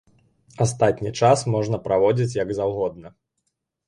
Астатні час можна праводзіць як заўгодна.